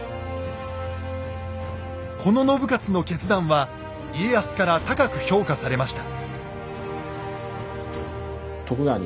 この信雄の決断は家康から高く評価されました。